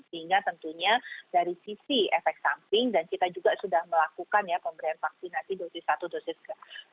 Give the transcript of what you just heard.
sehingga tentunya dari sisi efek samping dan kita juga sudah melakukan ya pemberian vaksinasi dosis satu dosis kedua